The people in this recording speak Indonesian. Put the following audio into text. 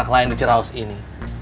anak lain di cirehaus ini